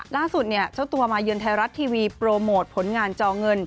ล่าสุดเนี่ยเจ้าตัวมาเยือนไทยรัฐทีวีโปรโมทผลงานจอเงิน